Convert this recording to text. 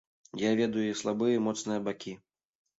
Я ведаю яе слабыя і моцныя бакі.